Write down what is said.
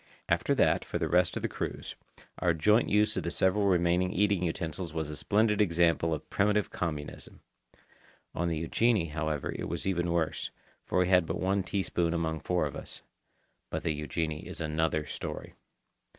After that, for the rest of the cruise, our joint use of the several remaining eating utensils was a splendid example of primitive communism. On the Eugenie, however, it was even worse, for we had but one teaspoon among four of us—but the Eugenie is another story.